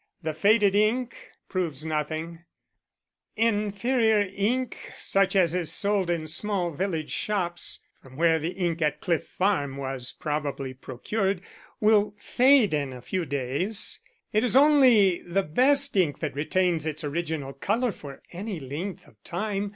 The faded ink proves nothing: inferior ink such as is sold in small village shops from where the ink at Cliff Farm was probably procured will fade in a few days; it is only the best ink that retains its original colour for any length of time.